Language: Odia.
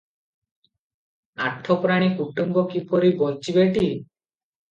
ଆଠ ପ୍ରାଣୀ କୁଟୁମ୍ବ, କିପରି ବଞ୍ଚିବେଟି?